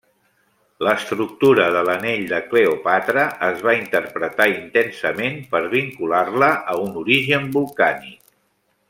L'estructura de l'anell de Cleòpatra es va interpretar intensament per vincular-la a un origen volcànic.